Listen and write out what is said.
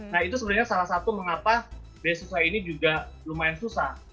nah itu sebenarnya salah satu mengapa beasiswa ini juga lumayan susah